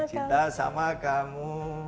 cinta sama kamu